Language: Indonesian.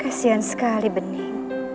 kasian sekali bening